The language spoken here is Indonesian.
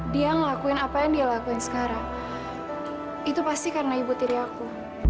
dia ngelakuin apa yang dia lakuin sekarang itu pasti karena ibu tiri aku